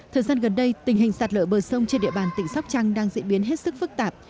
thời gian gần đây tình hình sạt lở bờ sông trên địa bàn tỉnh sóc trăng đang diễn biến hết sức phức tạp